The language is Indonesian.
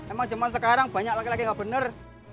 emang cuman sekarang banyak laki laki gak bener